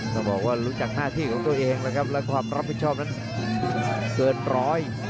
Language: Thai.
ต้องบอกว่ารู้จักหน้าที่ของตัวเองแล้วครับและความรับผิดชอบนั้นเกินร้อย